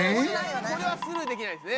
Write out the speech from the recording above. これはスルーできないですね。